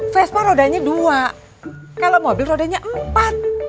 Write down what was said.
vespa rodanya dua kalau mobil rodanya empat